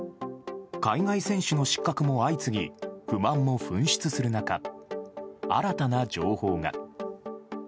海外選手の失格も相次ぎ、不満も噴出する中、新たな情報が。